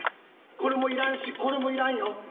これもいらんしこれもいらんよ。